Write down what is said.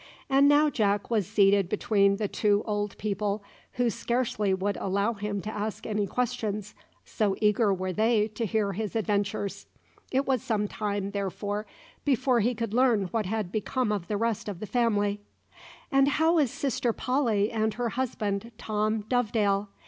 And now Jack was seated between the two old people, who scarcely would allow him to ask any questions, so eager were they to hear his adventures. It was some time, therefore, before he could learn what had become of the rest of the family. "And how is sister Polly and her husband, Tom Dovedale?